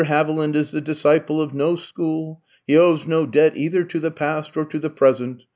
Haviland is the disciple of no school. He owes no debt either to the past or to the present.